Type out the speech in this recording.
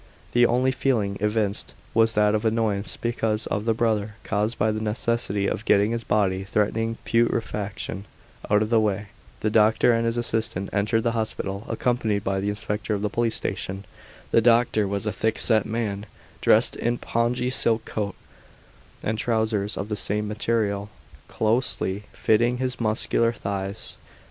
The only feeling evinced was that of annoyance because of the bother caused by the necessity of getting this body, threatening putrefaction, out of the way. The doctor and his assistant entered the hospital, accompanied by the inspector of the police station. The doctor was a thick set man, dressed in pongee silk coat and trousers of the same material, closely fitting his muscular thighs.